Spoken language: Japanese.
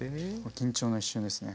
緊張の一瞬ですね。